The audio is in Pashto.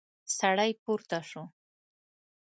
سړی پورته شو.